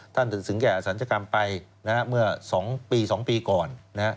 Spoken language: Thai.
ท่านสิงห์แก่อสัญชกรรมไปเมื่อ๒ปี๒ปีก่อน